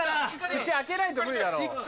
口開けないと無理だろ。